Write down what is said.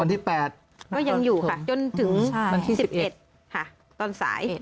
วันที่แปดก็ยังอยู่ค่ะจนถึงใช่วันที่สิบเอ็ดค่ะตอนสาย